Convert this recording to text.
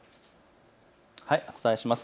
お伝えします。